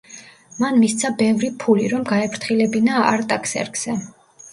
მან მისცა ბევრი ფული, რომ გაეფრთხილებინა არტაქსერქსე.